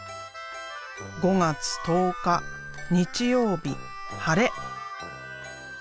「５月１０日日曜日晴れ。